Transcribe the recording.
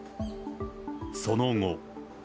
その後。